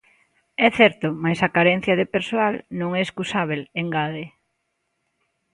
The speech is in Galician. É certo, mais a carencia de persoal non é escusábel, engade.